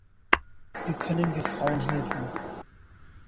Wie können wir Frauen helfen?